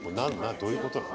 どういうことなの？